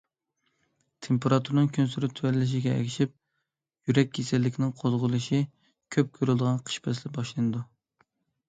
تېمپېراتۇرىنىڭ كۈنسېرى تۆۋەنلىشىگە ئەگىشىپ، يۈرەك كېسەللىكىنىڭ قوزغىلىشى كۆپ كۆرۈلىدىغان قىش پەسلى باشلىنىدۇ.